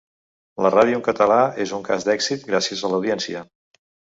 La ràdio en català és un cas d’èxit gràcies a l’audiència.